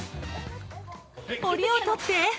おりを取って！